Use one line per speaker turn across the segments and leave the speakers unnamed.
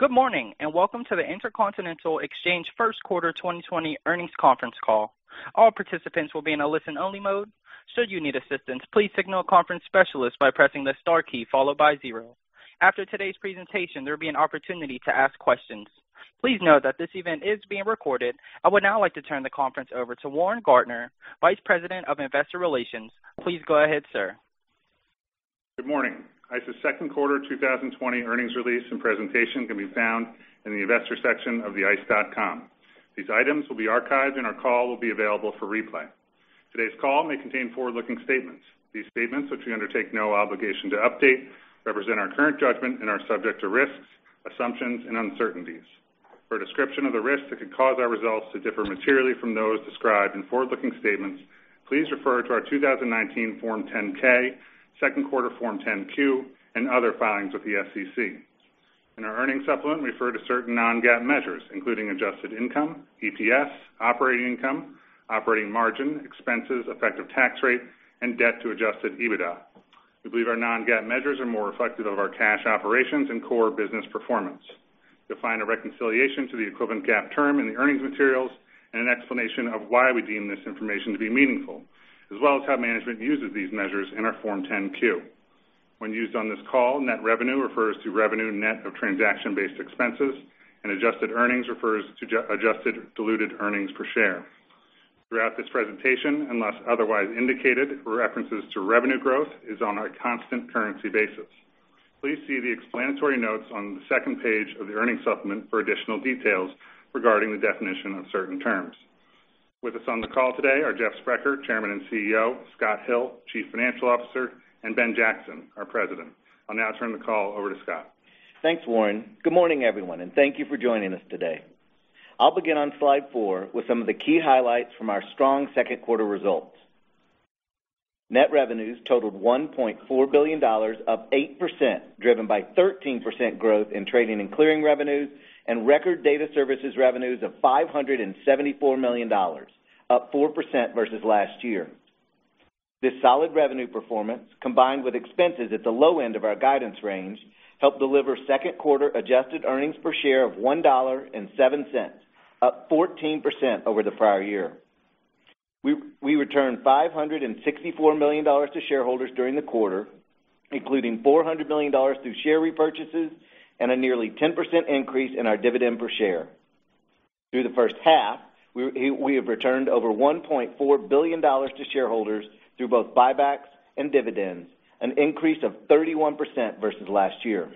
Good morning, and welcome to the Intercontinental Exchange Q1 2020 earnings conference call. All participants will be in a listen-only mode. Should you need assistance, please signal a conference specialist by pressing the star key followed by zero. After today's presentation, there will be an opportunity to ask questions. Please note that this event is being recorded. I would now like to turn the conference over to Warren Gardiner, Vice President of Investor Relations. Please go ahead, sir.
Good morning. ICE's Q2 2020 earnings release and presentation can be found in the investor section of theice.com. These items will be archived and our call will be available for replay. Today's call may contain forward-looking statements. These statements, which we undertake no obligation to update, represent our current judgment and are subject to risks, assumptions, and uncertainties. For a description of the risks that could cause our results to differ materially from those described in forward-looking statements, please refer to our 2019 Form 10-K, Q2 Form 10-Q, and other filings with the SEC. In our earnings supplement, we refer to certain non-GAAP measures, including adjusted income, EPS, operating income, operating margin, expenses, effective tax rate, and debt to adjusted EBITDA. We believe our non-GAAP measures are more reflective of our cash operations and core business performance. You'll find a reconciliation to the equivalent GAAP term in the earnings materials and an explanation of why we deem this information to be meaningful, as well as how management uses these measures in our Form 10-Q. When used on this call, net revenue refers to revenue net of transaction-based expenses, and adjusted earnings refers to adjusted diluted earnings per share. Throughout this presentation, unless otherwise indicated, references to revenue growth is on a constant currency basis. Please see the explanatory notes on the second page of the earnings supplement for additional details regarding the definition of certain terms. With us on the call today are Jeff Sprecher, Chairman and CEO, Scott Hill, Chief Financial Officer, and Ben Jackson, our President. I'll now turn the call over to Scott.
Thanks, Warren. Good morning, everyone, and thank you for joining us today. I'll begin on slide four with some of the key highlights from our strong Q2 results. Net revenues totaled $1.4 billion, up 8%, driven by 13% growth in trading and clearing revenues and record Data Services revenues of $574 million, up 4% versus last year. This solid revenue performance, combined with expenses at the low end of our guidance range, helped deliver Q2-adjusted earnings per share of $1.07, up 14% over the prior year. We returned $564 million to shareholders during the quarter, including $400 million through share repurchases and a nearly 10% increase in our dividend per share. Through the H1, we have returned over $1.4 billion to shareholders through both buybacks and dividends, an increase of 31% versus last year.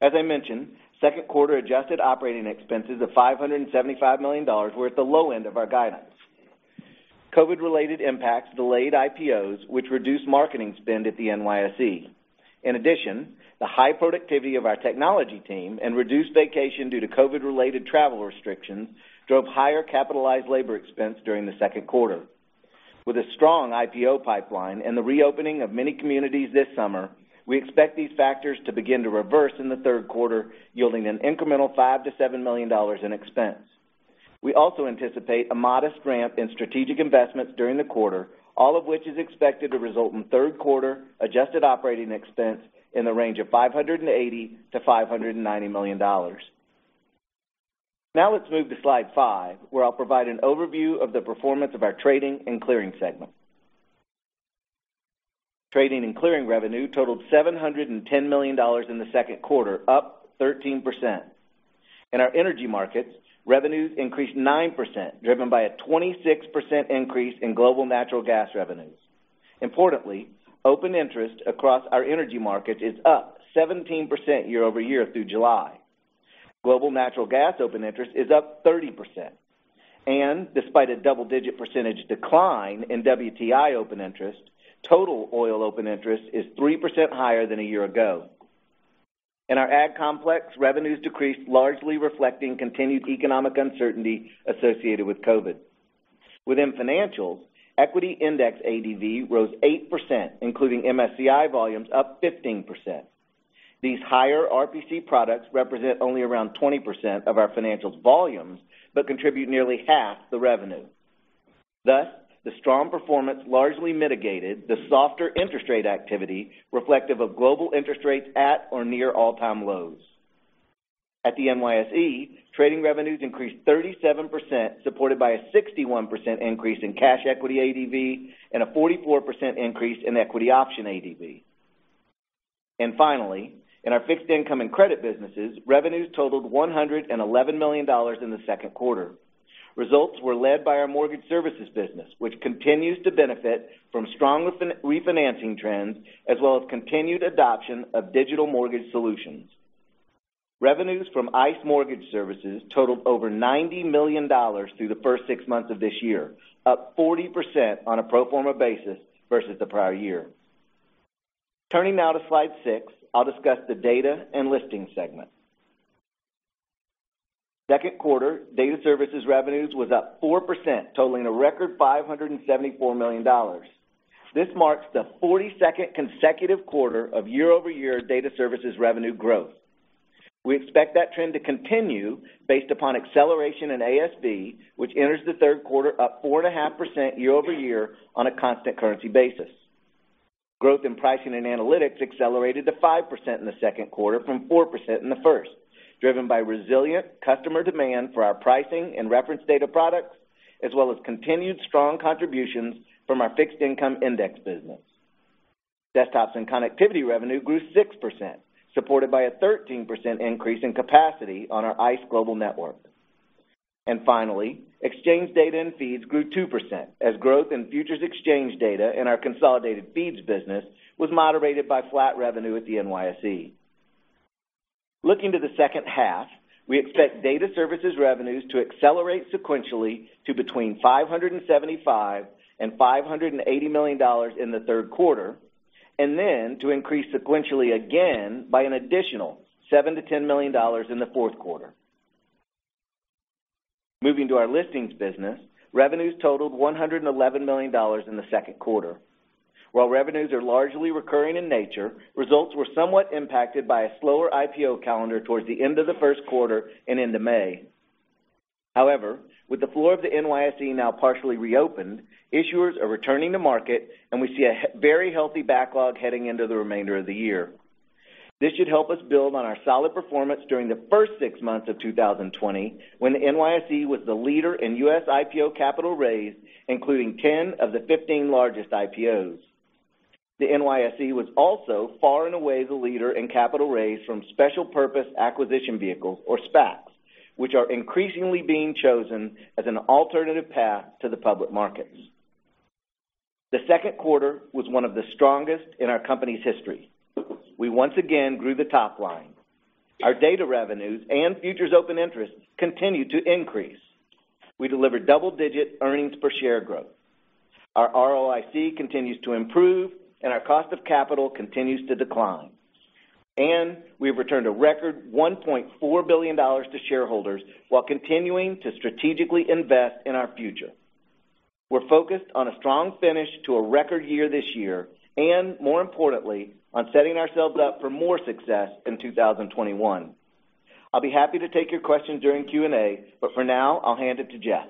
As I mentioned, Q2 adjusted operating expenses of $575 million were at the low end of our guidance. COVID-related impacts delayed IPOs, which reduced marketing spend at the NYSE. In addition, the high productivity of our technology team and reduced vacation due to COVID-related travel restrictions drove higher capitalized labor expense during the Q2. With a strong IPO pipeline and the reopening of many communities this summer, we expect these factors to begin to reverse in the Q3, yielding an incremental $5 million-$7 million in expense. We also anticipate a modest ramp in strategic investments during the quarter. All of which is expected to result in Q3 adjusted operating expense in the range of $580 million-$590 million. Now let's move to slide five, where I'll provide an overview of the performance of our trading and clearing segment. Trading and clearing revenue totaled $710 million in the Q2, up 13%. In our energy markets, revenues increased 9%, driven by a 26% increase in global natural gas revenues. Importantly, open interest across our energy markets is up 17% year-over-year through July. Global natural gas open interest is up 30%. Despite a double-digit percentage decline in WTI open interest, total oil open interest is 3% higher than a year ago. In our ag complex, revenues decreased, largely reflecting continued economic uncertainty associated with COVID. Within financials, equity index ADV rose 8%, including MSCI volumes up 15%. These higher RPC products represent only around 20% of our financials volumes, but contribute nearly half the revenue. Thus, the strong performance largely mitigated the softer interest rate activity reflective of global interest rates at or near all-time lows. At the NYSE, trading revenues increased 37%, supported by a 61% increase in cash equity ADV and a 44% increase in equity option ADV. Finally, in our fixed income and credit businesses, revenues totaled $111 million in the Q2. Results were led by our mortgage services business, which continues to benefit from strong refinancing trends, as well as continued adoption of digital mortgage solutions. Revenues from ICE Mortgage Technology totaled over $90 million through the first six months of this year, up 40% on a pro forma basis versus the prior year. Turning now to slide six, I'll discuss the data and listing segment. Q2 data services revenues was up 4%, totaling a record $574 million. This marks the 42nd consecutive quarter of year-over-year data services revenue growth. We expect that trend to continue based upon acceleration in ASV, which enters the Q3 up 4.5% year-over-year on a constant currency basis. Growth in pricing and analytics accelerated to 5% in the Q2 from 4% in the first, driven by resilient customer demand for our pricing and reference data products, as well as continued strong contributions from our fixed-income index business. Desktops and connectivity revenue grew 6%, supported by a 13% increase in capacity on our ICE Global Network. Finally, exchange data and feeds grew 2% as growth in futures exchange data in our consolidated feeds business was moderated by flat revenue at the NYSE. Looking to the H2, we expect data services revenues to accelerate sequentially to between $575 and $580 million in the Q3, and then to increase sequentially again by an additional $7-$10 million in the Q4. Moving to our listings business, revenues totaled $111 million in the Q2. While revenues are largely recurring in nature, results were somewhat impacted by a slower IPO calendar towards the end of the Q1 and into May. With the floor of the NYSE now partially reopened, issuers are returning to market, and we see a very healthy backlog heading into the remainder of the year. This should help us build on our solid performance during the first six months of 2020, when the NYSE was the leader in U.S. IPO capital raised, including 10 of the 15 largest IPOs. The NYSE was also far and away the leader in capital raised from special purpose acquisition vehicles, or SPACs, which are increasingly being chosen as an alternative path to the public markets. The Q2 was one of the strongest in our company's history. We once again grew the top line. Our data revenues and futures open interest continued to increase. We delivered double-digit earnings per share growth. Our ROIC continues to improve, and our cost of capital continues to decline. We've returned a record $1.4 billion to shareholders while continuing to strategically invest in our future. We're focused on a strong finish to a record year this year, and more importantly, on setting ourselves up for more success in 2021. I'll be happy to take your questions during Q&A, but for now, I'll hand it to Jeff.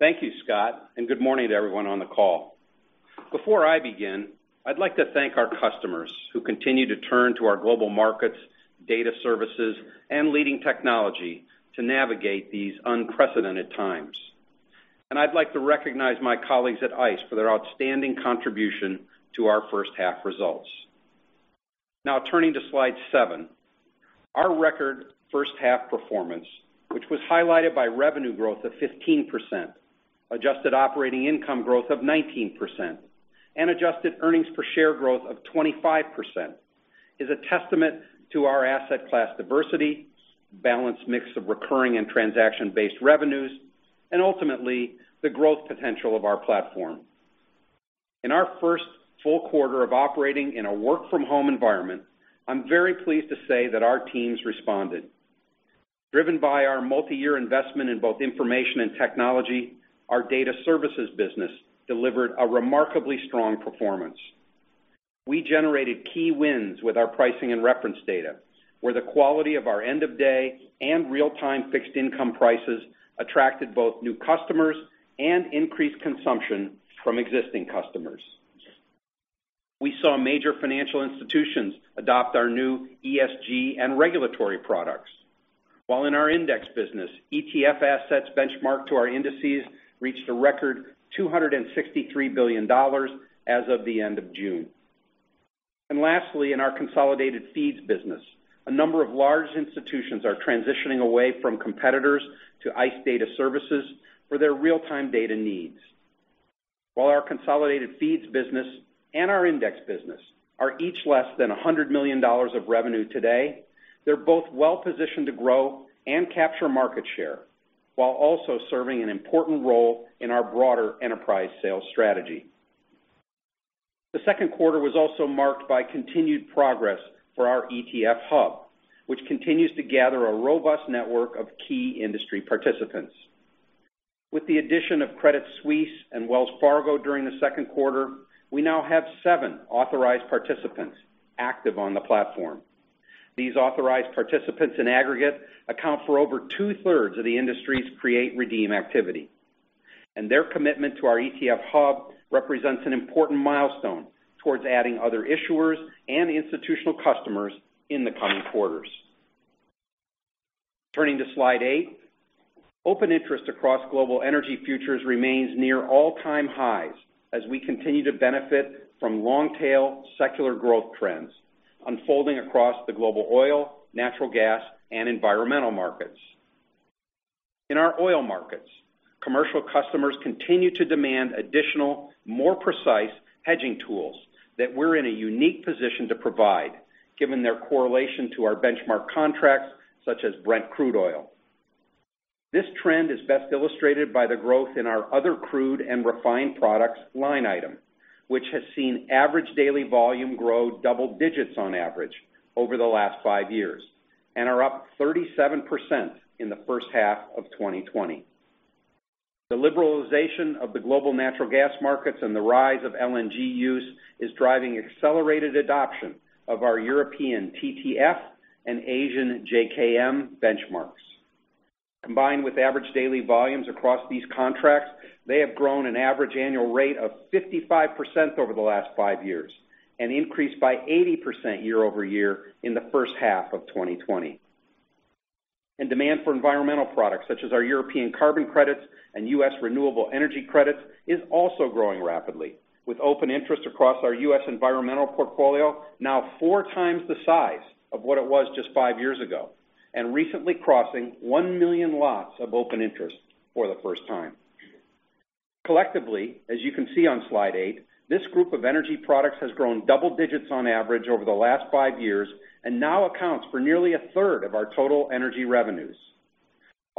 Thank you, Scott. Good morning to everyone on the call. Before I begin, I'd like to thank our customers who continue to turn to our global markets, data services, and leading technology to navigate these unprecedented times. I'd like to recognize my colleagues at ICE for their outstanding contribution to our H1 results. Now turning to slide seven. Our record H1 performance, which was highlighted by revenue growth of 15%, adjusted operating income growth of 19%, and adjusted earnings per share growth of 25%, is a testament to our asset class diversity, balanced mix of recurring and transaction-based revenues, and ultimately, the growth potential of our platform. In our first full quarter of operating in a work-from-home environment, I'm very pleased to say that our teams responded. Driven by our multi-year investment in both information and technology, our data services business delivered a remarkably strong performance. We generated key wins with our pricing and reference data, where the quality of our end-of-day and real-time fixed-income prices attracted both new customers and increased consumption from existing customers. We saw major financial institutions adopt our new ESG and regulatory products, while in our index business, ETF assets benchmarked to our indices reached a record $263 billion as of the end of June. Lastly, in our consolidated feeds business, a number of large institutions are transitioning away from competitors to ICE Data Services for their real-time data needs. While our consolidated feeds business and our index business are each less than $100 million of revenue today, they're both well-positioned to grow and capture market share, while also serving an important role in our broader enterprise sales strategy. The Q2 was also marked by continued progress for our ICE ETF Hub, which continues to gather a robust network of key industry participants. With the addition of Credit Suisse and Wells Fargo during the Q2, we now have seven authorized participants active on the platform. These authorized participants in aggregate account for over two-thirds of the industry's create-redeem activity. Their commitment to our ICE ETF Hub represents an important milestone towards adding other issuers and institutional customers in the coming quarters. Turning to slide eight. Open interest across global energy futures remains near all-time highs as we continue to benefit from long-tail secular growth trends unfolding across the global oil, natural gas, and environmental markets. In our oil markets, commercial customers continue to demand additional, more precise hedging tools that we're in a unique position to provide, given their correlation to our benchmark contracts, such as Brent Crude Oil. This trend is best illustrated by the growth in our other crude and refined products line item, which has seen average daily volume grow double digits on average over the last five years and are up 37% in the H1 of 2020. The liberalization of the global natural gas markets and the rise of LNG use is driving accelerated adoption of our European TTF and Asian JKM benchmarks. Combined with average daily volumes across these contracts, they have grown an average annual rate of 55% over the last five years, and increased by 80% year-over-year in the H1 of 2020. Demand for environmental products, such as our European carbon credits and U.S. renewable energy credits, is also growing rapidly, with open interest across our U.S. environmental portfolio now four times the size of what it was just five years ago, and recently crossing 1 million lots of open interest for the first time. Collectively, as you can see on slide eight, this group of energy products has grown double digits on average over the last five years, and now accounts for nearly a third of our total energy revenues.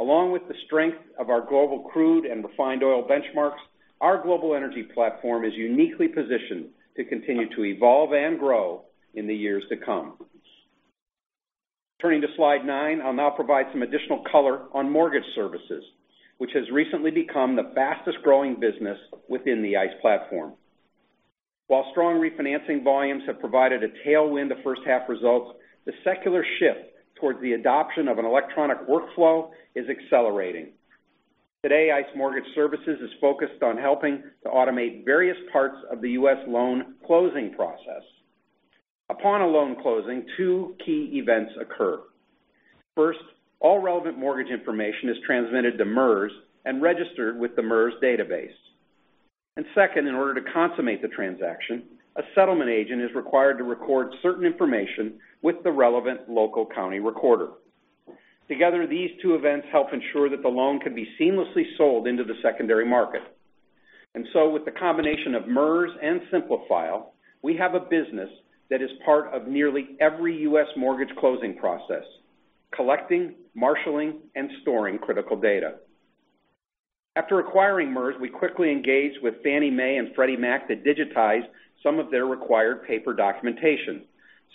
Along with the strength of our global crude and refined oil benchmarks, our global energy platform is uniquely positioned to continue to evolve and grow in the years to come. Turning to slide nine, I'll now provide some additional color on mortgage services, which has recently become the fastest-growing business within the ICE platform. While strong refinancing volumes have provided a tailwind to H1 results, the secular shift towards the adoption of an electronic workflow is accelerating. Today, ICE Mortgage Technology is focused on helping to automate various parts of the U.S. loan closing process. Upon a loan closing, two key events occur. First, all relevant mortgage information is transmitted to MERS and registered with the MERS database. Second, in order to consummate the transaction, a settlement agent is required to record certain information with the relevant local county recorder. Together, these two events help ensure that the loan can be seamlessly sold into the secondary market. With the combination of MERS and Simplifile, we have a business that is part of nearly every U.S. mortgage closing process, collecting, marshaling, and storing critical data. After acquiring MERS, we quickly engaged with Fannie Mae and Freddie Mac to digitize some of their required paper documentation,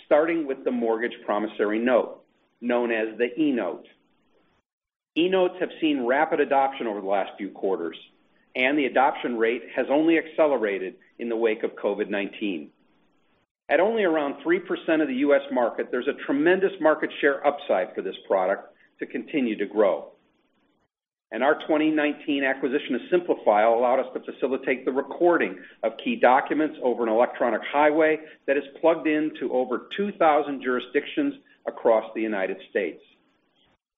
starting with the mortgage promissory note, known as the eNote. eNotes have seen rapid adoption over the last few quarters, and the adoption rate has only accelerated in the wake of COVID-19. At only around 3% of the U.S. market, there's a tremendous market share upside for this product to continue to grow. Our 2019 acquisition of Simplifile allowed us to facilitate the recording of key documents over an electronic highway that is plugged into over 2,000 jurisdictions across the United States.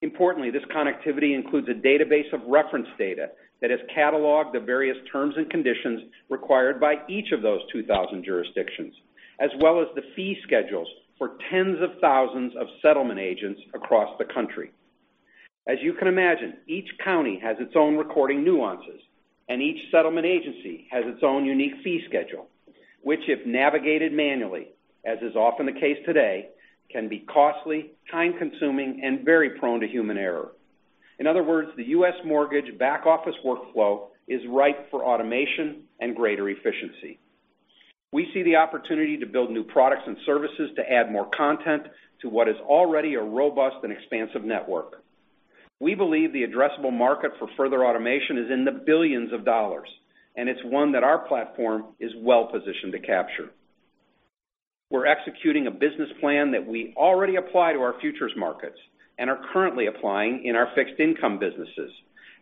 Importantly, this connectivity includes a database of reference data that has cataloged the various terms and conditions required by each of those 2,000 jurisdictions, as well as the fee schedules for tens of thousands of settlement agents across the country. As you can imagine, each county has its own recording nuances, and each settlement agency has its own unique fee schedule, which, if navigated manually, as is often the case today, can be costly, time-consuming, and very prone to human error. In other words, the U.S. mortgage back office workflow is ripe for automation and greater efficiency. We see the opportunity to build new products and services to add more content to what is already a robust and expansive network. We believe the addressable market for further automation is in the billions of dollars, and it's one that our platform is well-positioned to capture. We're executing a business plan that we already apply to our futures markets and are currently applying in our fixed income businesses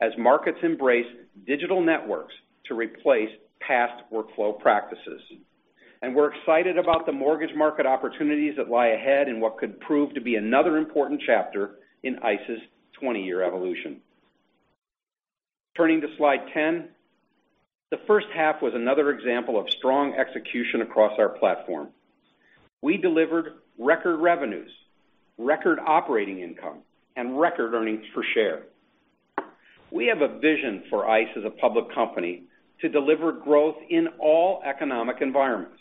as markets embrace digital networks to replace past workflow practices. We're excited about the mortgage market opportunities that lie ahead in what could prove to be another important chapter in ICE's 20-year evolution. Turning to slide 10. The H1 was another example of strong execution across our platform. We delivered record revenues, record operating income, and record earnings per share. We have a vision for ICE as a public company to deliver growth in all economic environments.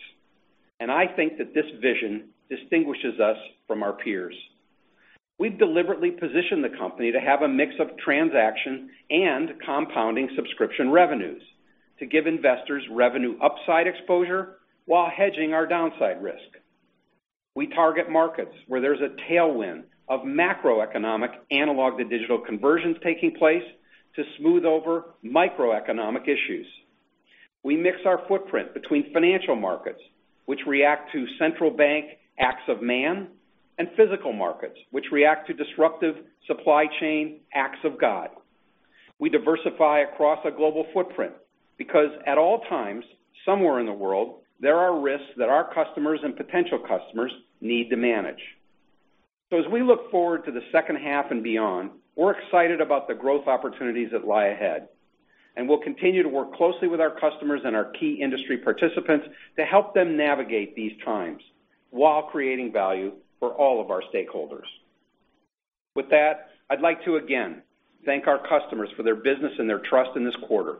I think that this vision distinguishes us from our peers. We've deliberately positioned the company to have a mix of transaction and compounding subscription revenues to give investors revenue upside exposure while hedging our downside risk. We target markets where there's a tailwind of macroeconomic analog to digital conversions taking place to smooth over macroeconomic issues. We mix our footprint between financial markets, which react to central bank acts of man, and physical markets, which react to disruptive supply chain acts of God. We diversify across a global footprint because, at all times, somewhere in the world, there are risks that our customers and potential customers need to manage. As we look forward to the H2 and beyond, we're excited about the growth opportunities that lie ahead, and we'll continue to work closely with our customers and our key industry participants to help them navigate these times while creating value for all of our stakeholders. With that, I'd like to again thank our customers for their business and their trust in this quarter,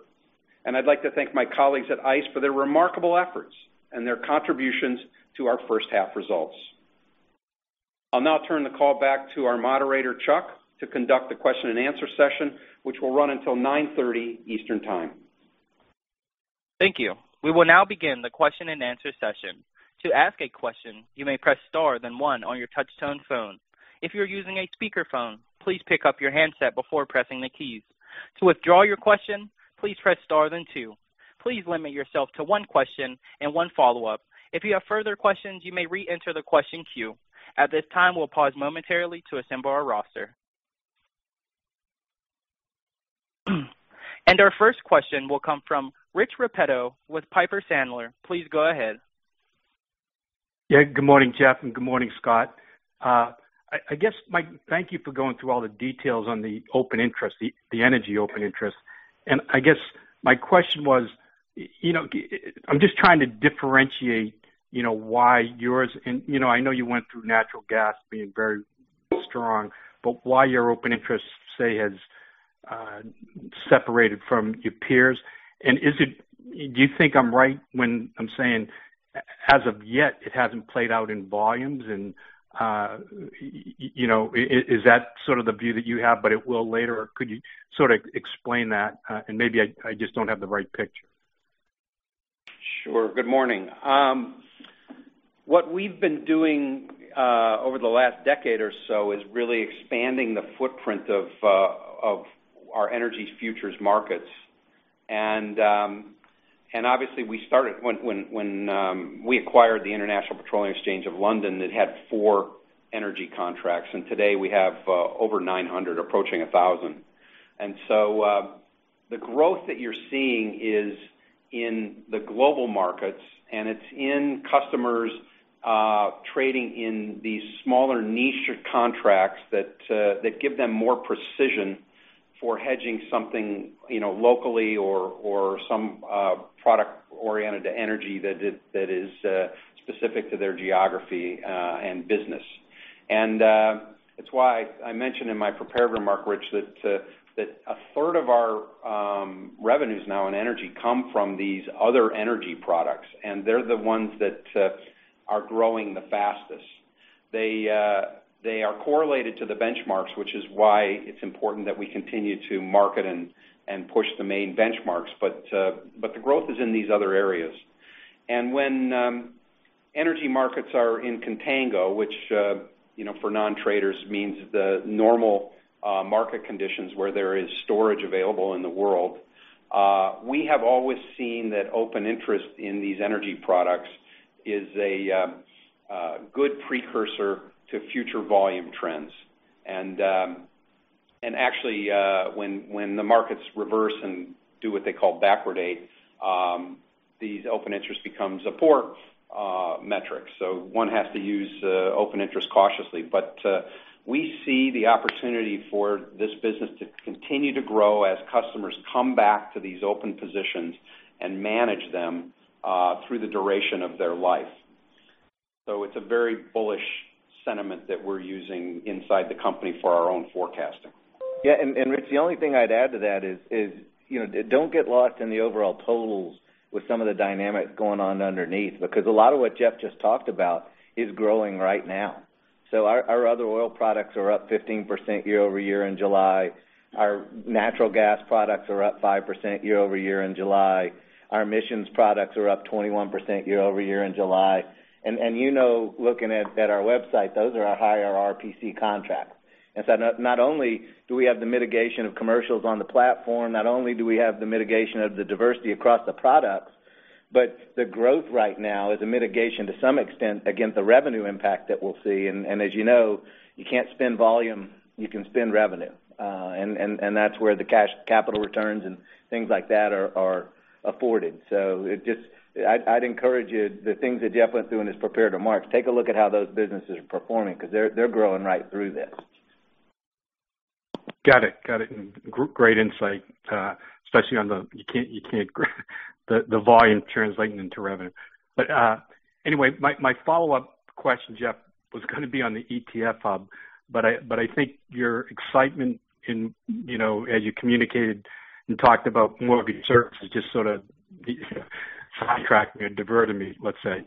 and I'd like to thank my colleagues at ICE for their remarkable efforts and their contributions to our H1 results. I'll now turn the call back to our moderator, Chuck, to conduct the question and answer session, which will run until 9:30 Eastern Time.
Thank you. We will now begin the question and answer session. To ask a question, you may press star then one on your touch-tone phone. If you're using a speakerphone, please pick up your handset before pressing the keys. To withdraw your question, please press star then two. Please limit yourself to one question and one follow-up. If you have further questions, you may re-enter the question queue. At this time, we'll pause momentarily to assemble our roster. Our first question will come from Rich Repetto with Piper Sandler. Please go ahead.
Yeah. Good morning, Jeff, and good morning, Scott. Thank you for going through all the details on the open interest, the energy open interest. I guess my question was, I'm just trying to differentiate why yours. I know you went through natural gas being very strong, but why your open interest, say, has separated from your peers, and do you think I'm right when I'm saying, as of yet, it hasn't played out in volumes? Is that sort of the view that you have, but it will later? Could you sort of explain that? Maybe I just don't have the right picture.
Sure. Good morning. What we've been doing over the last decade or so is really expanding the footprint of our energy futures markets. Obviously, we started when we acquired the International Petroleum Exchange of London that had four energy contracts, and today we have over 900, approaching 1,000. The growth that you're seeing is in the global markets, and it's in customers trading in these smaller niche contracts that give them more precision for hedging something locally or some product oriented to energy that is specific to their geography and business. That's why I mentioned in my prepared remark, Rich, that a third of our revenues now in energy come from these other energy products, and they're the ones that are growing the fastest. They are correlated to the benchmarks, which is why it's important that we continue to market and push the main benchmarks. The growth is in these other areas. When energy markets are in contango, which, for non-traders means the normal market conditions where there is storage available in the world, we have always seen that open interest in these energy products is a good precursor to future volume trends. Actually, when the markets reverse and do what they call backwardation, these open interest becomes a poor metric. One has to use open interest cautiously. We see the opportunity for this business to continue to grow as customers come back to these open positions and manage them through the duration of their life. It's a very bullish sentiment that we're using inside the company for our own forecasting.
Rich, the only thing I'd add to that is don't get lost in the overall totals with some of the dynamics going on underneath, because a lot of what Jeff just talked about is growing right now. Our other oil products are up 15% year-over-year in July. Our natural gas products are up 5% year-over-year in July. Our emissions products are up 21% year-over-year in July. You know, looking at our website, those are our higher RPC contracts. Not only do we have the mitigation of commercials on the platform, not only do we have the mitigation of the diversity across the products, but the growth right now is a mitigation, to some extent, against the revenue impact that we'll see. As you know, you can't spend volume, you can spend revenue. That's where the cash capital returns and things like that are afforded. I'd encourage you, the things that Jeff went through in his prepared remarks, take a look at how those businesses are performing because they're growing right through this.
Got it. Great insight, especially on the you can't the volume translating into revenue. Anyway, my follow-up question, Jeff, was going to be on the ICE ETF Hub, but I think your excitement as you communicated and talked about mortgage services just sort of sidetracked me or diverted me, let's say.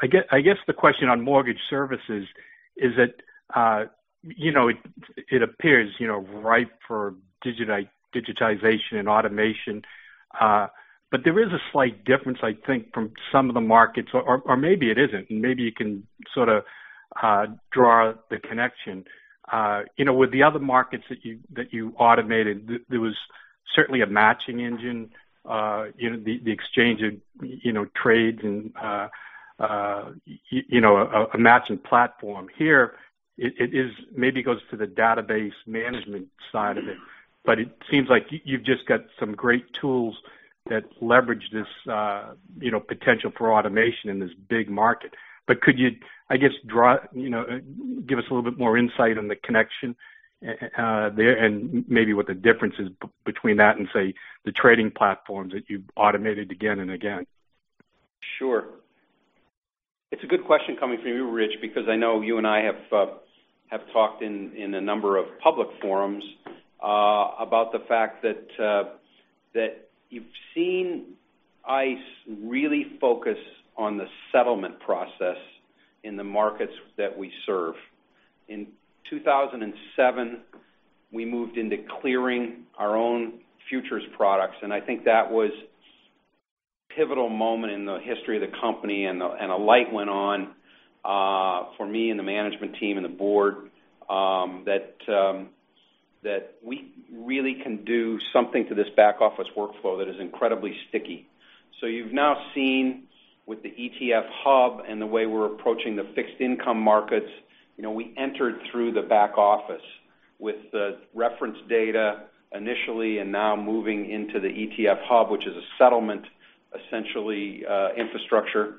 I guess the question on mortgage services is that it appears ripe for digitization and automation, but there is a slight difference, I think, from some of the markets, or maybe it isn't, and maybe you can sort of draw the connection. With the other markets that you automated, there was certainly a matching engine, the exchange of trades and a matching platform. Here, it maybe goes to the database management side of it, but it seems like you've just got some great tools that leverage this potential for automation in this big market. Could you, I guess, give us a little bit more insight on the connection there, and maybe what the difference is between that and, say, the trading platforms that you've automated again and again?
Sure. It's a good question coming from you, Rich, because I know you and I have talked in a number of public forums about the fact that you've seen ICE really focus on the settlement process in the markets that we serve. In 2007 We moved into clearing our own futures products, and I think that was a pivotal moment in the history of the company, and a light went on for me and the management team and the board that we really can do something to this back-office workflow that is incredibly sticky. You've now seen with the ICE ETF Hub and the way we're approaching the fixed income markets, we entered through the back office with the reference data initially and now moving into the ICE ETF Hub, which is a settlement, essentially, infrastructure.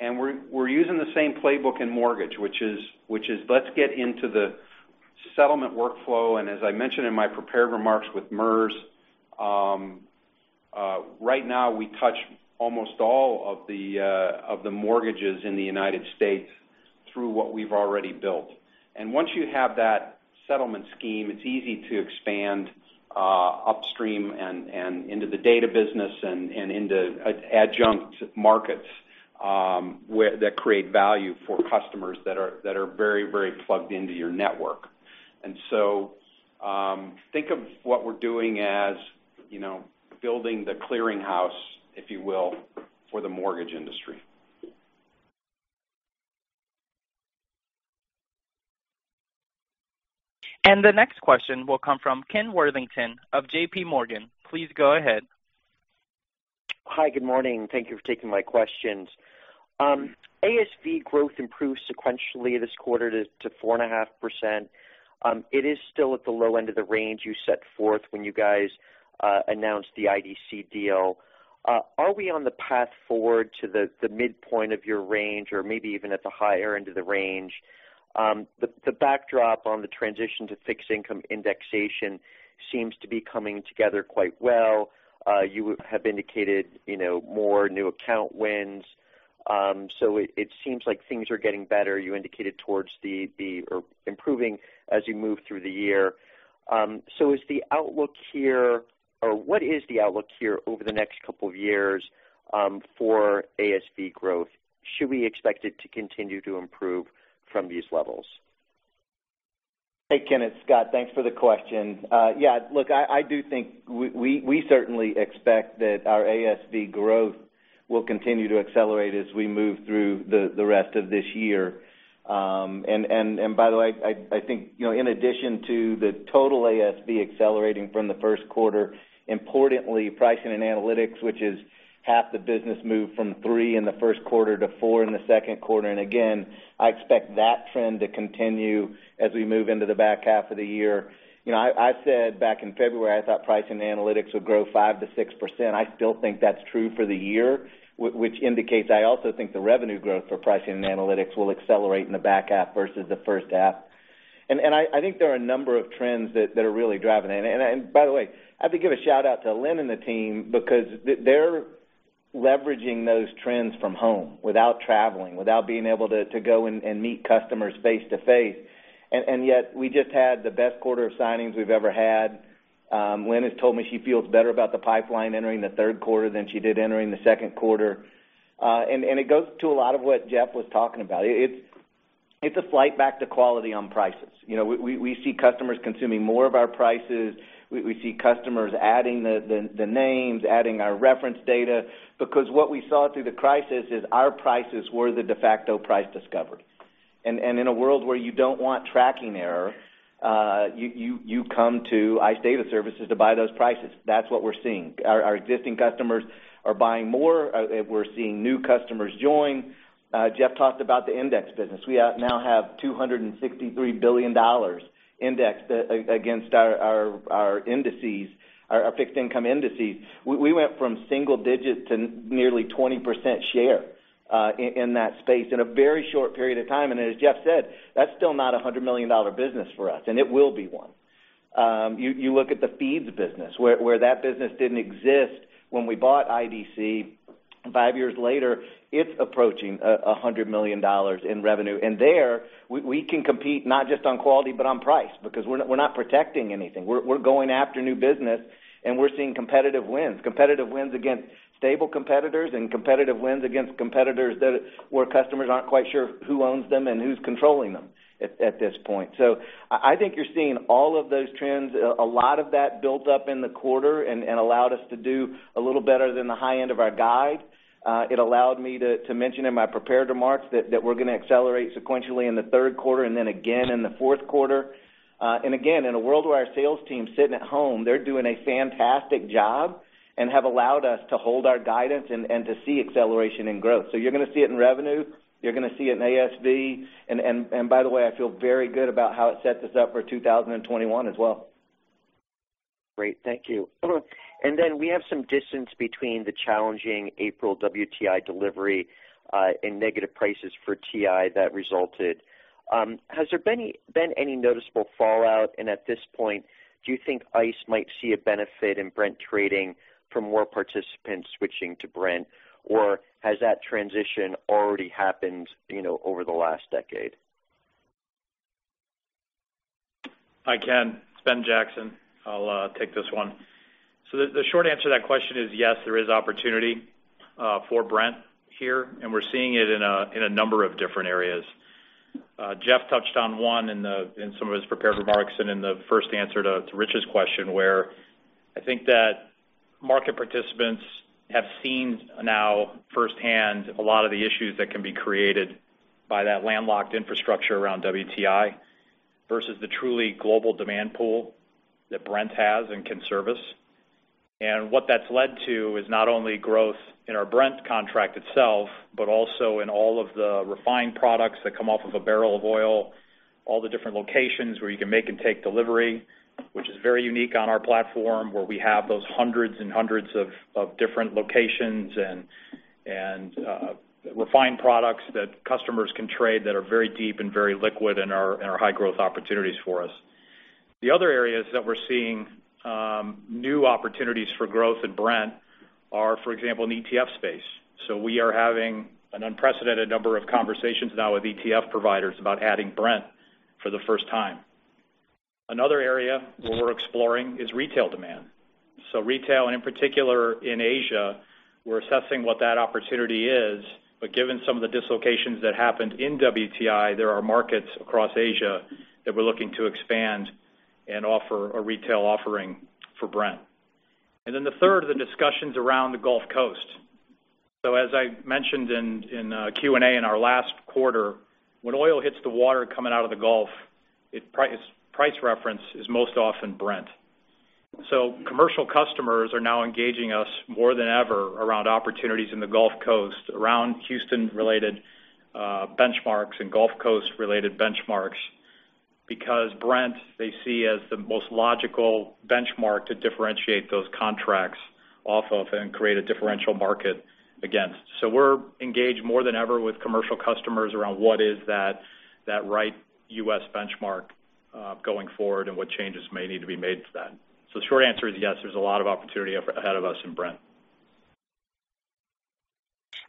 We're using the same playbook in mortgage, which is let's get into the settlement workflow, and as I mentioned in my prepared remarks with MERS, right now we touch almost all of the mortgages in the U.S. through what we've already built. Once you have that settlement scheme, it's easy to expand upstream and into the data business and into adjunct markets that create value for customers that are very, very plugged into your network. Think of what we're doing as building the clearing house, if you will, for the mortgage industry.
The next question will come from Ken Worthington of J.P. Morgan. Please go ahead.
Hi, good morning. Thank you for taking my questions. ASV growth improved sequentially this quarter to 4.5%. It is still at the low end of the range you set forth when you guys announced the IDC deal. Are we on the path forward to the midpoint of your range or maybe even at the higher end of the range? The backdrop on the transition to fixed-income indexation seems to be coming together quite well. You have indicated more new account wins. It seems like things are getting better. You indicated improving as you move through the year. What is the outlook here over the next couple of years for ASV growth? Should we expect it to continue to improve from these levels?
Hey, Ken. Scott. Thanks for the question. Look, we certainly expect that our ASV growth will continue to accelerate as we move through the rest of this year. By the way, I think in addition to the total ASV accelerating from the Q1, importantly, pricing and analytics, which is half the business, moved from three in the Q1 to four in the Q2. Again, I expect that trend to continue as we move into the back half of the year. I said back in February, I thought pricing analytics would grow 5%-6%. I still think that's true for the year, which indicates I also think the revenue growth for pricing and analytics will accelerate in the back half versus the H1. I think there are a number of trends that are really driving it. By the way, I have to give a shout-out to Lynn and the team because they're leveraging those trends from home without traveling, without being able to go and meet customers face-to-face. Yet we just had the best quarter of signings we've ever had. Lynn has told me she feels better about the pipeline entering the Q3 than she did entering the Q2. It goes to a lot of what Jeff was talking about. It's a flight back to quality on prices. We see customers consuming more of our prices. We see customers adding the names, adding our reference data because what we saw through the crisis is our prices were the de facto price discovery. In a world where you don't want tracking error, you come to ICE Data Services to buy those prices. That's what we're seeing. Our existing customers are buying more. We're seeing new customers join. Jeff talked about the index business. We now have $263 billion indexed against our fixed-income indices. We went from single digits to nearly 20% share in that space in a very short period of time. As Jeff said, that's still not a $100 million business for us, and it will be one. You look at the feeds business, where that business didn't exist when we bought IDC, five years later, it's approaching $100 million in revenue. There, we can compete not just on quality, but on price because we're not protecting anything. We're going after new business and we're seeing competitive wins. Competitive wins against stable competitors and competitive wins against competitors where customers aren't quite sure who owns them and who's controlling them at this point. I think you're seeing all of those trends. A lot of that built up in the quarter and allowed us to do a little better than the high end of our guide. It allowed me to mention in my prepared remarks that we're going to accelerate sequentially in the Q3 and then again in the Q4. Again, in a world where our sales team's sitting at home, they're doing a fantastic job and have allowed us to hold our guidance and to see acceleration in growth. You're going to see it in revenue, you're going to see it in ASV, and by the way, I feel very good about how it sets us up for 2021 as well.
Great. Thank you. We have some distance between the challenging April WTI delivery and negative prices for WTI that resulted. Has there been any noticeable fallout? At this point, do you think ICE might see a benefit in Brent trading from more participants switching to Brent, or has that transition already happened over the last decade?
Hi, Ken. It's Ben Jackson. I'll take this one. The short answer to that question is yes, there is opportunity for Brent here, and we're seeing it in a number of different areas. Jeff touched on one in some of his prepared remarks and in the first answer to Rich's question, where I think that market participants have seen now firsthand a lot of the issues that can be created by that landlocked infrastructure around WTI versus the truly global demand pool that Brent has and can service. What that's led to is not only growth in our Brent contract itself, but also in all of the refined products that come off of a barrel of oil, all the different locations where you can make and take delivery, which is very unique on our platform, where we have those hundreds and hundreds of different locations, and refined products that customers can trade that are very deep and very liquid and are high growth opportunities for us. The other areas that we're seeing new opportunities for growth in Brent are, for example, in the ETF space. We are having an unprecedented number of conversations now with ETF providers about adding Brent for the first time. Another area where we're exploring is retail demand. Retail, and in particular in Asia, we're assessing what that opportunity is, but given some of the dislocations that happened in WTI, there are markets across Asia that we're looking to expand and offer a retail offering for Brent. The third are the discussions around the Gulf Coast. As I mentioned in Q&A in our last quarter, when oil hits the water coming out of the Gulf, its price reference is most often Brent. Commercial customers are now engaging us more than ever around opportunities in the Gulf Coast, around Houston-related benchmarks and Gulf Coast-related benchmarks, because Brent, they see as the most logical benchmark to differentiate those contracts off of and create a differential market against. We're engaged more than ever with commercial customers around what is that right U.S. benchmark going forward and what changes may need to be made to that. The short answer is yes, there's a lot of opportunity ahead of us in Brent.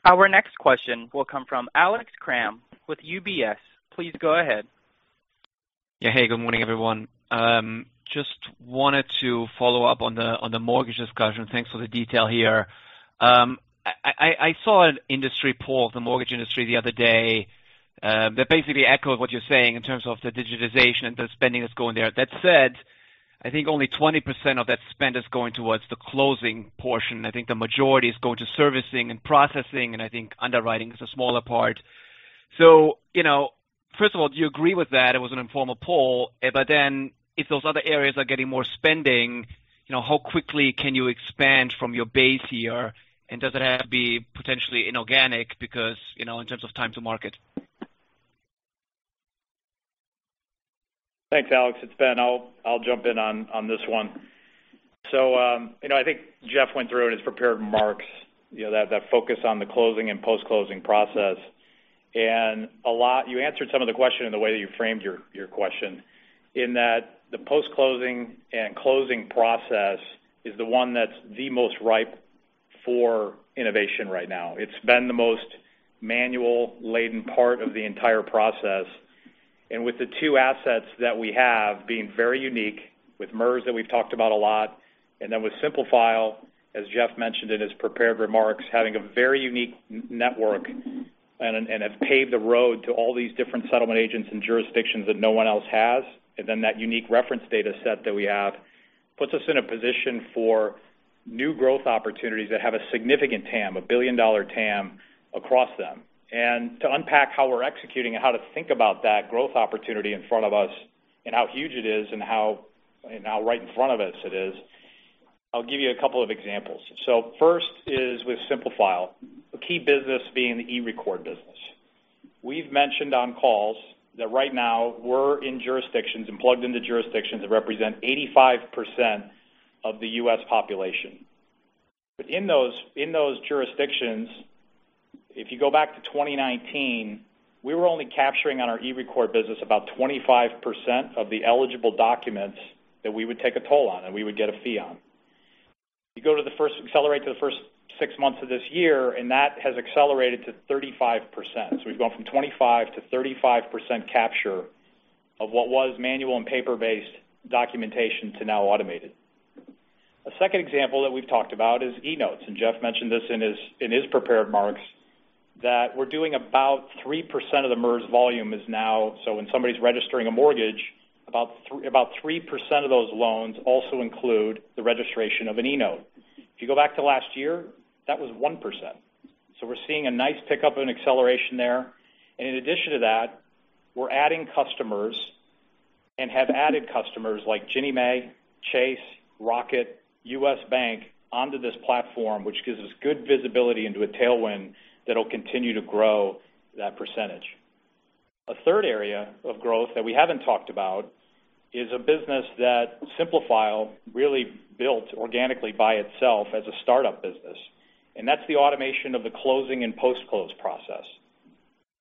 Our next question will come from Alex Kramm with UBS. Please go ahead.
Hey, good morning, everyone. Just wanted to follow up on the mortgage discussion. Thanks for the detail here. I saw an industry poll of the mortgage industry the other day that basically echoed what you're saying in terms of the digitization and the spending that's going there. I think only 20% of that spend is going towards the closing portion. I think the majority is going to servicing and processing, and I think underwriting is a smaller part. First of all, do you agree with that? It was an informal poll. If those other areas are getting more spending, how quickly can you expand from your base year, and does it have to be potentially inorganic because, in terms of time to market?
Thanks, Alex. It's Ben. I'll jump in on this one. I think Jeff went through it in his prepared remarks, that focus on the closing and post-closing process. You answered some of the question in the way that you framed your question, in that the post-closing and closing process is the one that's the most ripe for innovation right now. It's been the most manual-laden part of the entire process. With the two assets that we have being very unique, with MERS that we've talked about a lot, and then with Simplifile, as Jeff mentioned in his prepared remarks, having a very unique network and have paved the road to all these different settlement agents and jurisdictions that no one else has. That unique reference data set that we have puts us in a position for new growth opportunities that have a significant TAM, a billion-dollar TAM across them. To unpack how we're executing and how to think about that growth opportunity in front of us, and how huge it is, and how right in front of us it is, I'll give you a couple of examples. First is with Simplifile, the key business being the eRecord business. We've mentioned on calls that right now we're in jurisdictions and plugged into jurisdictions that represent 85% of the U.S. population. In those jurisdictions, if you go back to 2019, we were only capturing on our eRecord business about 25% of the eligible documents that we would take a toll on and we would get a fee on. You accelerate to the first six months of this year, that has accelerated to 35%. We've gone from 25% to 35% capture of what was manual and paper-based documentation to now automated. A second example that we've talked about is eNotes. Jeff mentioned this in his prepared remarks, that we're doing about 3% of the MERS volume is now. When somebody's registering a mortgage, about 3% of those loans also include the registration of an eNote. If you go back to last year, that was 1%. We're seeing a nice pickup and acceleration there. In addition to that, we're adding customers and have added customers like Ginnie Mae, Chase, Rocket, U.S. Bank onto this platform, which gives us good visibility into a tailwind that'll continue to grow that percentage. A third area of growth that we haven't talked about is a business that Simplifile really built organically by itself as a startup business, and that's the automation of the closing and post-close process.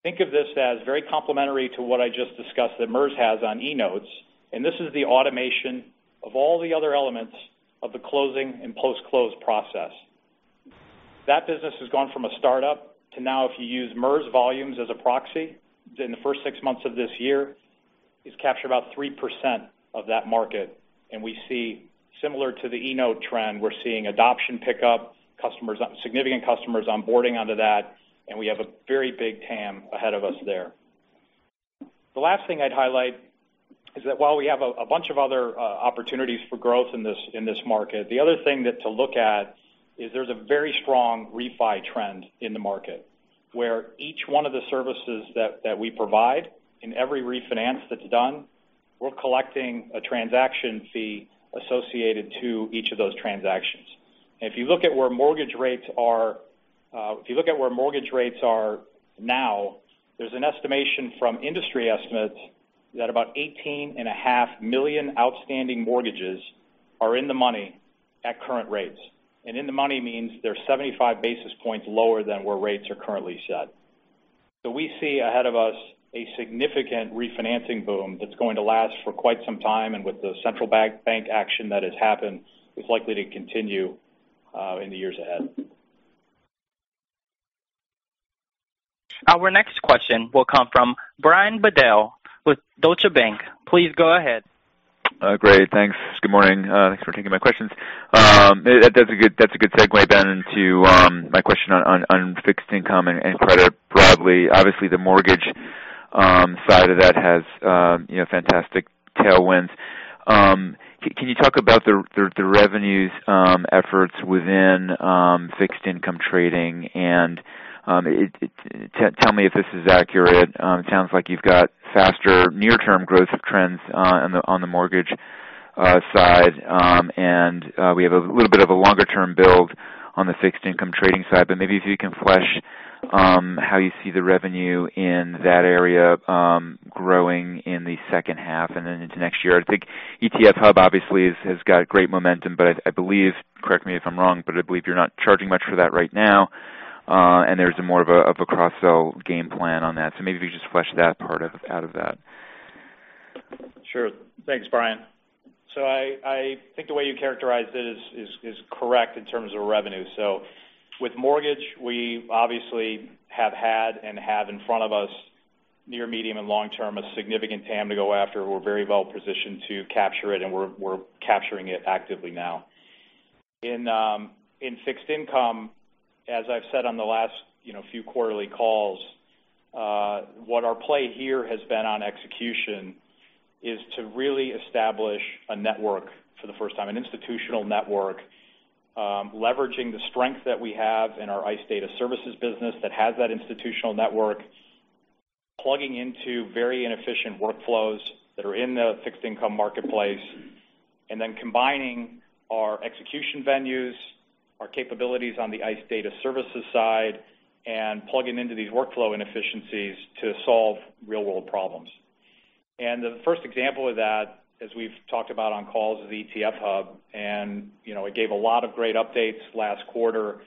Think of this as very complementary to what I just discussed that MERS has on eNotes, and this is the automation of all the other elements of the closing and post-close process. That business has gone from a startup to now, if you use MERS volumes as a proxy, in the first six months of this year is capture about 3% of that market, and similar to the eNote trend, we're seeing adoption pick up, significant customers onboarding onto that, and we have a very big TAM ahead of us there. The last thing I'd highlight is that while we have a bunch of other opportunities for growth in this market, the other thing to look at is there's a very strong refi trend in the market, where each one of the services that we provide in every refinance that's done, we're collecting a transaction fee associated to each of those transactions. If you look at where mortgage rates are now, there's an estimation from industry estimates that about 18.5 million outstanding mortgages are in the money at current rates. In the money means they're 75 basis points lower than where rates are currently set. We see ahead of us a significant refinancing boom that's going to last for quite some time, and with the central bank action that has happened, is likely to continue in the years ahead.
Our next question will come from Brian Bedell with Deutsche Bank. Please go ahead.
Great. Thanks. Good morning. Thanks for taking my questions. That's a good segue into my question on fixed income and credit broadly. Obviously, the mortgage side of that has fantastic tailwinds. Can you talk about the revenues efforts within fixed income trading? Tell me if this is accurate. It sounds like you've got faster near-term growth trends on the mortgage side. We have a little bit of a longer-term build on the fixed income trading side. Maybe if you can flesh how you see the revenue in that area growing in the H2 and then into next year. I think ETF Hub obviously has got great momentum, but I believe, correct me if I'm wrong, I believe you're not charging much for that right now. There's more of a cross-sell game plan on that. Maybe if you just flesh that part out of that.
Sure. Thanks, Brian. I think the way you characterized it is correct in terms of revenue. With mortgage, we obviously have had and have in front of us near, medium, and long-term a significant TAM to go after. We're very well-positioned to capture it, and we're capturing it actively now. In fixed income, as I've said on the last few quarterly calls, what our play here has been on execution is to really establish a network for the first time, an institutional network, leveraging the strength that we have in our ICE Data Services business that has that institutional network, plugging into very inefficient workflows that are in the fixed income marketplace, and then combining our execution venues, our capabilities on the ICE Data Services side, and plugging into these workflow inefficiencies to solve real-world problems. The first example of that, as we've talked about on calls, is ETF Hub, and it gave a lot of great updates last quarter.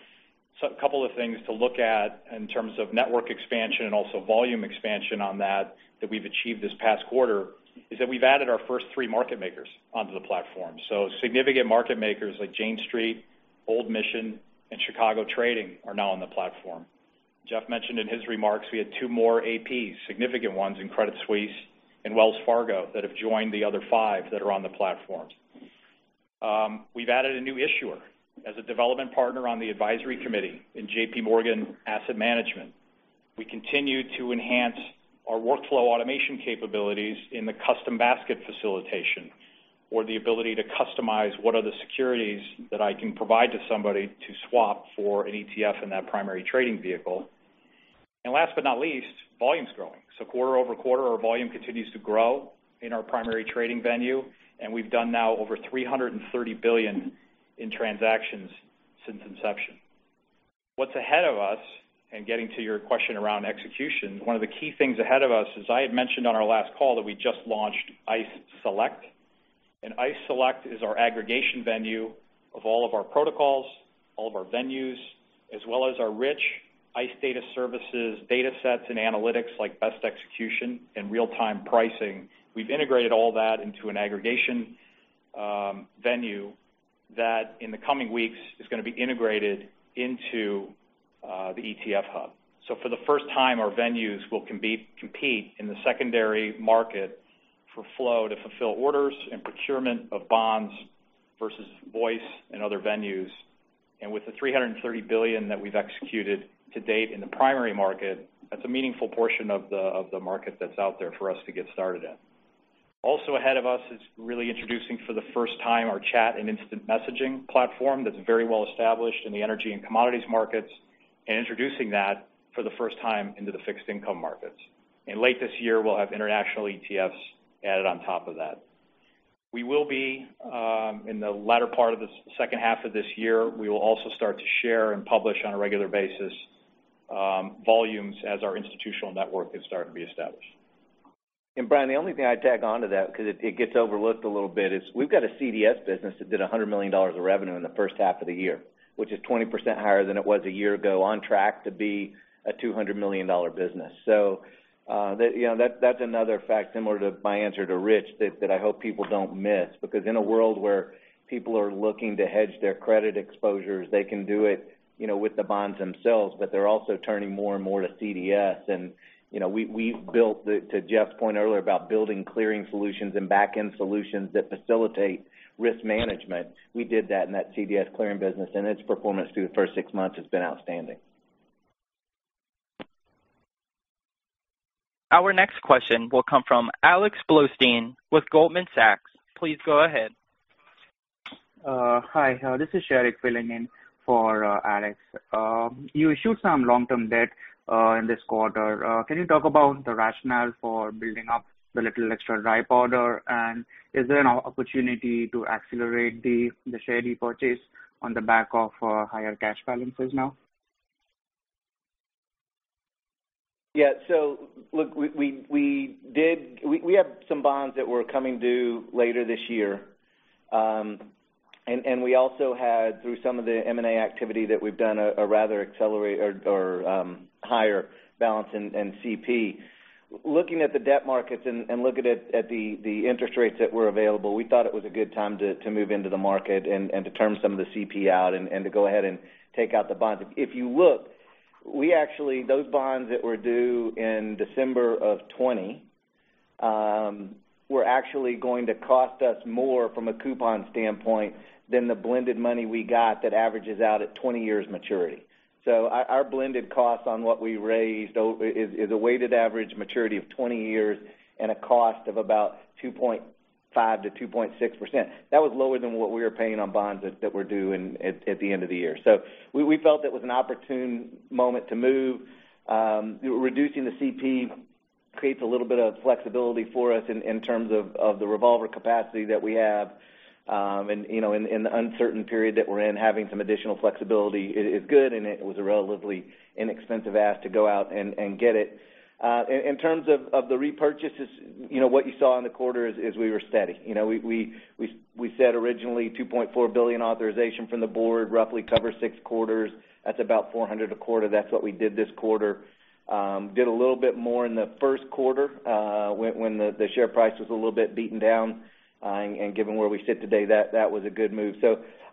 A couple of things to look at in terms of network expansion and also volume expansion on that that we've achieved this past quarter is that we've added our first three market makers onto the platform. Significant market makers like Jane Street, Old Mission, and Chicago Trading are now on the platform. Jeff mentioned in his remarks, we had two more APs, significant ones in Credit Suisse and Wells Fargo, that have joined the other five that are on the platform. We've added a new issuer as a development partner on the advisory committee in J.P. Morgan Asset Management. We continue to enhance our workflow automation capabilities in the custom basket facilitation, or the ability to customize what are the securities that I can provide to somebody to swap for an ETF in that primary trading vehicle. Last but not least, volume's growing. Quarter-over-quarter, our volume continues to grow in our primary trading venue, and we've done now over $330 billion in transactions since inception. What's ahead of us, and getting to your question around execution, one of the key things ahead of us, as I had mentioned on our last call, that we just launched ICE Select. ICE Select is our aggregation venue of all of our protocols, all of our venues, as well as our rich ICE Data Services datasets and analytics like best execution and real-time pricing. We've integrated all that into an aggregation venue that in the coming weeks is going to be integrated into the ICE ETF Hub. For the first time, our venues will compete in the secondary market for flow to fulfill orders and procurement of bonds versus voice and other venues. With the $330 billion that we've executed to date in the primary market, that's a meaningful portion of the market that's out there for us to get started in. Also ahead of us is really introducing for the first time our ICE Chat that's very well established in the energy and commodities markets, and introducing that for the first time into the fixed income markets. Late this year, we'll have international ETFs added on top of that. In the latter part of the H2 of this year, we will also start to share and publish on a regular basis volumes as our institutional network is starting to be established.
Brian, the only thing I'd tag on to that, because it gets overlooked a little bit, is we've got a CDS business that did $100 million of revenue in the H1 of the year, which is 20% higher than it was a year ago, on track to be a $200 million business. That's another fact similar to my answer to Rich that I hope people don't miss, because in a world where people are looking to hedge their credit exposures, they can do it with the bonds themselves, but they're also turning more and more to CDS. We've built, to Jeff's point earlier about building clearing solutions and backend solutions that facilitate risk management. We did that in that CDS clearing business, and its performance through the first six months has been outstanding.
Our next question will come from Alex Blostein with Goldman Sachs. Please go ahead.
Hi. This is Sherrick filling in for Alex. You issued some long-term debt in this quarter. Can you talk about the rationale for building up the little extra dry powder? Is there an opportunity to accelerate the share repurchase on the back of higher cash balances now?
Yeah. Look, we have some bonds that were coming due later this year. We also had, through some of the M&A activity that we've done, a rather higher balance in CP. Looking at the debt markets and looking at the interest rates that were available, we thought it was a good time to move into the market and to term some of the CP out and to go ahead and take out the bonds. If you look, those bonds that were due in December of 2020 were actually going to cost us more from a coupon standpoint than the blended money we got that averages out at 20 years maturity. Our blended cost on what we raised is a weighted average maturity of 20 years at a cost of about 2.5%-2.6%. That was lower than what we were paying on bonds that were due at the end of the year. We felt it was an opportune moment to move. Reducing the CP creates a little bit of flexibility for us in terms of the revolver capacity that we have. In the uncertain period that we're in, having some additional flexibility is good, and it was a relatively inexpensive ask to go out and get it. In terms of the repurchases, what you saw in the quarter is we were steady. We said originally $2.4 billion authorization from the board roughly covers six quarters. That's about 400 a quarter. That's what we did this quarter. Did a little bit more in the Q1 when the share price was a little bit beaten down. Given where we sit today, that was a good move.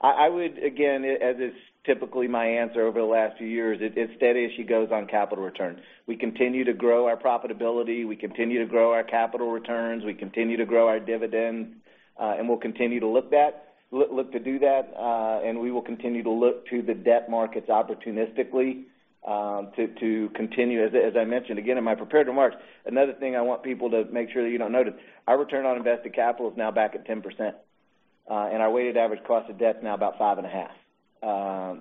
I would, again, as is typically my answer over the last few years, it's steady as she goes on capital returns. We continue to grow our profitability. We continue to grow our capital returns. We continue to grow our dividend. We'll continue to look to do that. We will continue to look to the debt markets opportunistically. As I mentioned, again, in my prepared remarks, another thing I want people to make sure that you don't notice, our return on invested capital is now back at 10%, and our weighted average cost of debt is now about five and a half.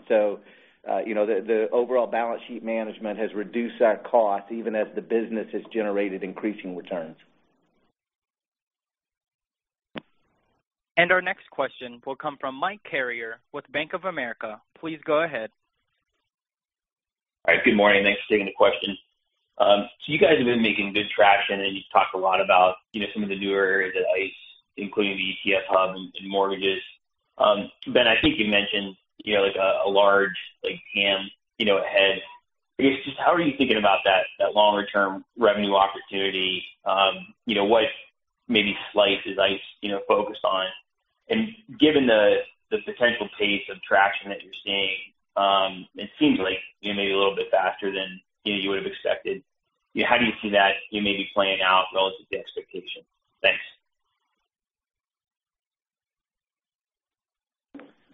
The overall balance sheet management has reduced that cost even as the business has generated increasing returns.
Our next question will come from Mike Carrier with Bank of America. Please go ahead.
All right. Good morning. Thanks for taking the question. You guys have been making good traction, and you talk a lot about some of the newer areas at ICE, including the ETF Hub and mortgages. Ben, I think you mentioned a large TAM ahead. I guess, just how are you thinking about that longer-term revenue opportunity? What maybe slice is ICE focused on? Given the potential pace of traction that you're seeing, it seems like maybe a little bit faster than you would've expected. How do you see that maybe playing out relative to expectations? Thanks.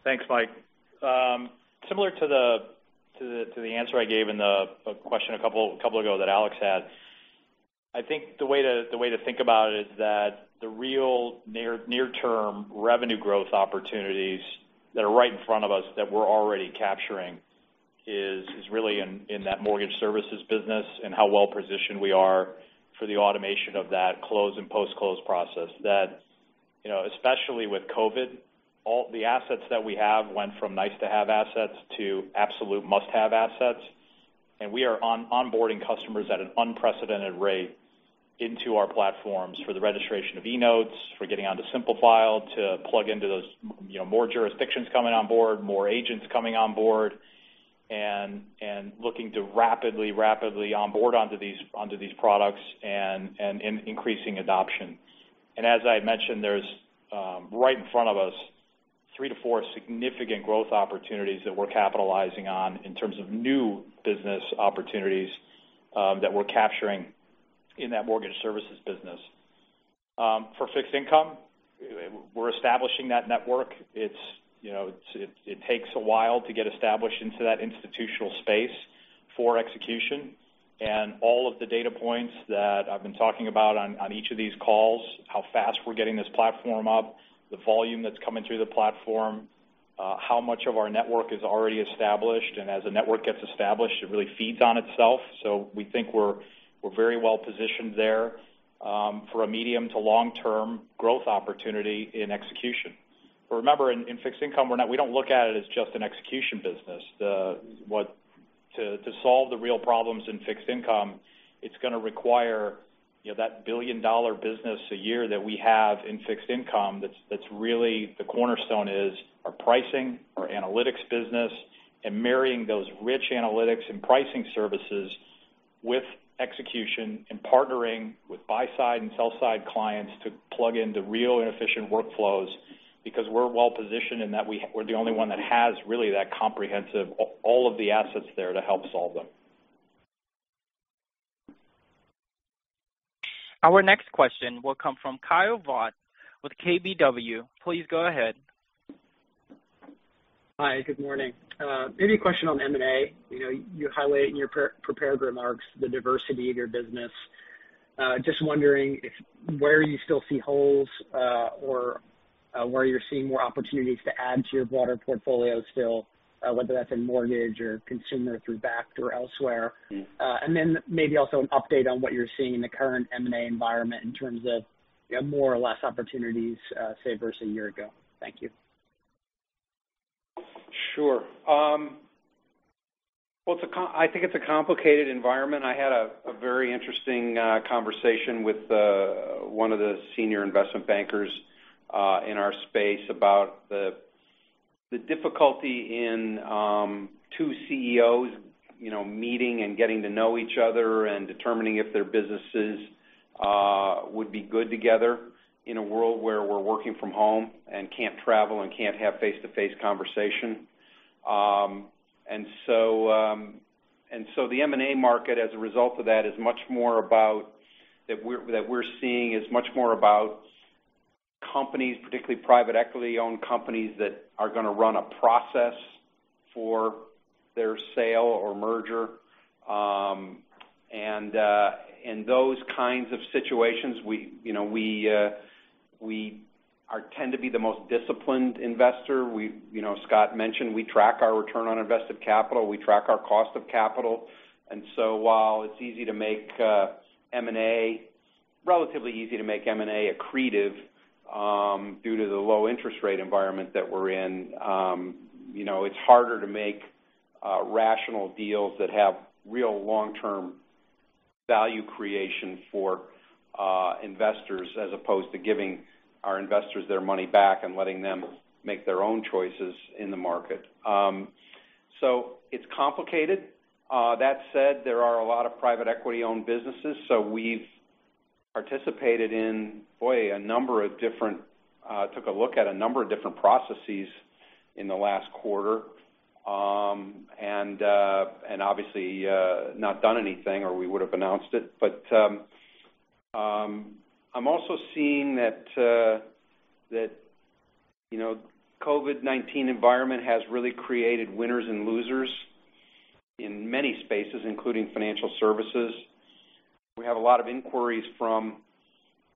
Thanks, Mike. Similar to the answer I gave in the question a couple ago that Alex had, I think the way to think about it is that the real near-term revenue growth opportunities that are right in front of us that we're already capturing is really in that mortgage services business and how well-positioned we are for the automation of that close and post-close process. That especially with COVID, all the assets that we have went from nice-to-have assets to absolute must-have assets. We are onboarding customers at an unprecedented rate into our platforms for the registration of eNotes, for getting onto Simplifile, to plug into those more jurisdictions coming on board, more agents coming on board, and looking to rapidly onboard onto these products and increasing adoption. As I had mentioned, there's right in front of us three to four significant growth opportunities that we're capitalizing on in terms of new business opportunities that we're capturing in that mortgage services business. For fixed income, we're establishing that network. It takes a while to get established into that institutional space for execution. All of the data points that I've been talking about on each of these calls, how fast we're getting this platform up, the volume that's coming through the platform, how much of our network is already established. As a network gets established, it really feeds on itself. We think we're very well-positioned there for a medium to long-term growth opportunity in execution. Remember, in fixed income, we don't look at it as just an execution business. To solve the real problems in fixed income, it's going to require that billion-dollar business a year that we have in fixed income. That's really the cornerstone is our pricing, our analytics business, and marrying those rich analytics and pricing services with execution and partnering with buy-side and sell-side clients to plug into real and efficient workflows because we're well-positioned in that we're the only one that has really that comprehensive, all of the assets there to help solve them.
Our next question will come from Kyle Voigt with KBW. Please go ahead.
Hi, good morning. Maybe a question on M&A. You highlight in your prepared remarks the diversity of your business. Just wondering where you still see holes or where you're seeing more opportunities to add to your broader portfolio still, whether that's in mortgage or consumer through Bakkt or elsewhere. Maybe also an update on what you're seeing in the current M&A environment in terms of more or less opportunities, say, versus a year ago. Thank you.
Sure. Well, I think it's a complicated environment. I had a very interesting conversation with one of the senior investment bankers in our space about the difficulty in two CEOs meeting and getting to know each other and determining if their businesses would be good together in a world where we're working from home and can't travel and can't have face-to-face conversation. So the M&A market, as a result of that we're seeing is much more about companies, particularly private equity-owned companies, that are going to run a process for their sale or merger. Those kinds of situations, we tend to be the most disciplined investor. Scott mentioned we track our return on invested capital. We track our cost of capital. While it's relatively easy to make M&A accretive due to the low interest rate environment that we're in, it's harder to make rational deals that have real long-term value creation for investors as opposed to giving our investors their money back and letting them make their own choices in the market. It's complicated. That said, there are a lot of private equity-owned businesses. We've participated in, boy, took a look at a number of different processes in the last quarter. Obviously, not done anything or we would've announced it. I'm also seeing that COVID-19 environment has really created winners and losers in many spaces, including financial services. We have a lot of inquiries from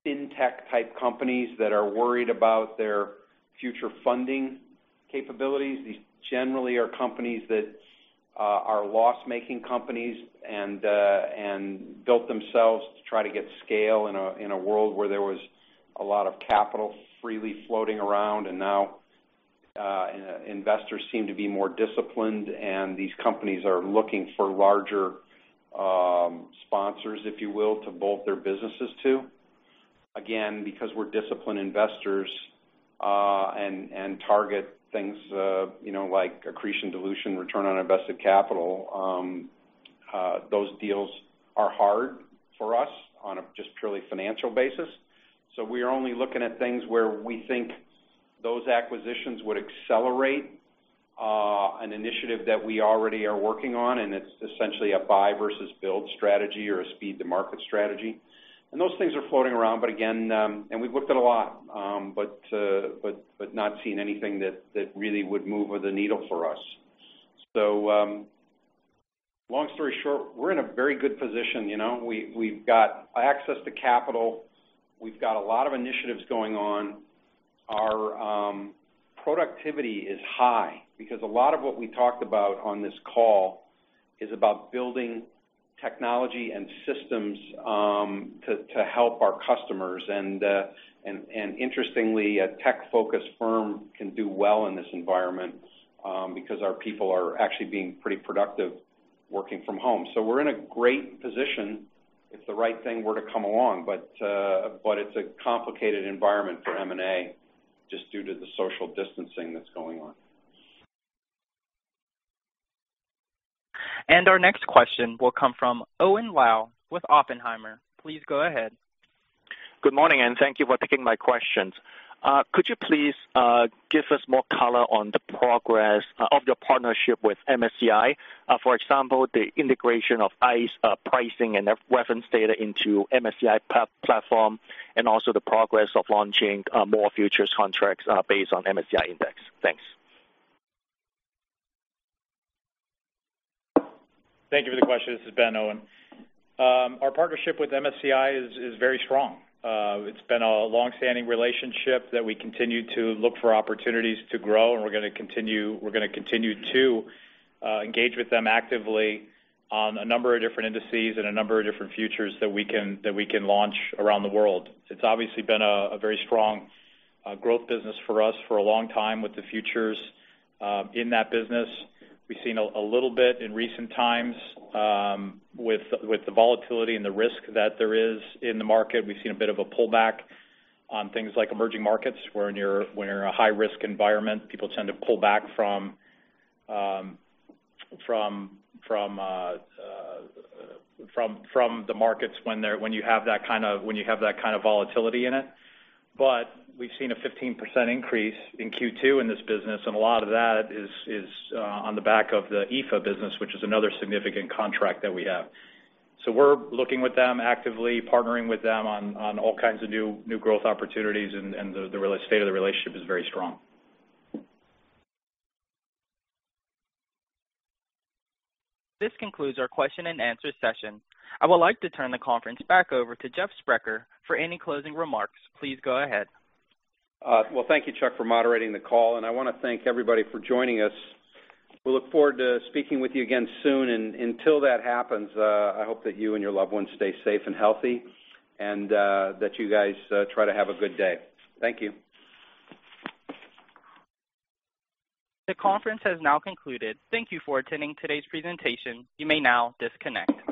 fintech-type companies that are worried about their future funding capabilities. These generally are companies that are loss-making companies and built themselves to try to get scale in a world where there was a lot of capital freely floating around. Now investors seem to be more disciplined, and these companies are looking for larger sponsors, if you will, to bolt their businesses to. Again, because we're disciplined investors and target things like accretion, dilution, return on invested capital, those deals are hard for us on a just purely financial basis. We are only looking at things where we think those acquisitions would accelerate an initiative that we already are working on, and it's essentially a buy versus build strategy or a speed to market strategy. Those things are floating around, and we've looked at a lot, but not seen anything that really would move the needle for us. Long story short, we're in a very good position. We've got access to capital. We've got a lot of initiatives going on. Our productivity is high because a lot of what we talked about on this call is about building technology and systems to help our customers. Interestingly, a tech-focused firm can do well in this environment because our people are actually being pretty productive working from home. We're in a great position if the right thing were to come along, but it's a complicated environment for M&A just due to the social distancing that's going on.
Our next question will come from Owen Lau with Oppenheimer. Please go ahead.
Good morning. Thank you for taking my questions. Could you please give us more color on the progress of your partnership with MSCI? For example, the integration of ICE pricing and reference data into MSCI platform and also the progress of launching more futures contracts based on MSCI Index. Thanks.
Thank you for the question. This is Ben, Owen. Our partnership with MSCI is very strong. It's been a long-standing relationship that we continue to look for opportunities to grow. We're going to continue to engage with them actively on a number of different indices and a number of different futures that we can launch around the world. It's obviously been a very strong growth business for us for a long time with the futures in that business. We've seen a little bit in recent times with the volatility and the risk that there is in the market. We've seen a bit of a pullback on things like emerging markets, where in a high-risk environment, people tend to pull back from the markets when you have that kind of volatility in it. We've seen a 15% increase in Q2 in this business, and a lot of that is on the back of the EAFE business, which is another significant contract that we have. We're looking with them, actively partnering with them on all kinds of new growth opportunities, and the state of the relationship is very strong.
This concludes our question and answer session. I would like to turn the conference back over to Jeff Sprecher for any closing remarks. Please go ahead.
Well, thank you, Chuck, for moderating the call, and I want to thank everybody for joining us. We look forward to speaking with you again soon. Until that happens, I hope that you and your loved ones stay safe and healthy and that you guys try to have a good day. Thank you.
The conference has now concluded. Thank you for attending today's presentation. You may now disconnect.